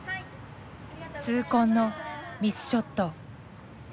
痛恨のミスショット。